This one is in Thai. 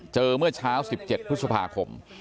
เมื่อเช้า๑๗พฤษภาคม